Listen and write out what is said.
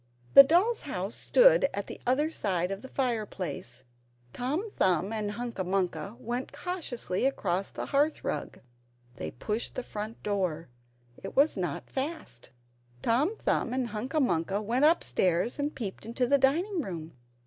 The doll's house stood at the other side of the fire place. Tom Thumb and Hunca Munca went cautiously across the hearthrug. They pushed the front door it was not fast. Tom Thumb and Hunca Munca went upstairs and peeped into the dining room.